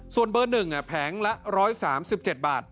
ส่วนเบอร์๑แผงละ๑๓๗บาท